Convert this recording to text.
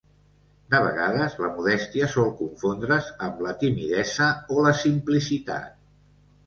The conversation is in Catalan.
De vegades, la modèstia sol confondre's amb la timidesa o la simplicitat.